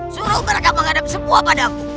suruh mereka menghadap semua padamu